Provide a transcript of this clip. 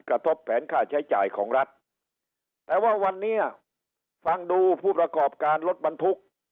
กระทบแผนค่าใช้จ่ายของรัฐแต่ว่าวันนี้ฟังดูผู้ประกอบการรถบรรทุก